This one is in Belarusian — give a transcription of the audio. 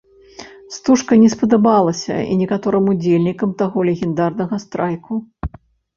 Стужка не спадабалася і некаторым удзельнікам таго легендарнага страйку.